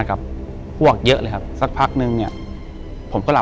กุมารพายคือเหมือนกับว่าเขาจะมีอิทธิฤทธิ์ที่เยอะกว่ากุมารทองธรรมดา